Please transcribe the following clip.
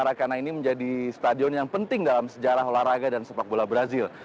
arakana ini menjadi stadion yang penting dalam sejarah olahraga dan sepak bola brazil